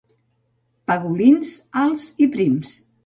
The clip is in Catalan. Pegolins, alts i prims.